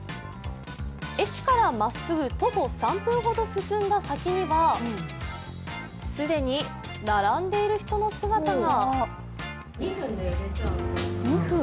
駅からまっすぐ徒歩３分ほど進んだ先には既に並んでいる人の姿が。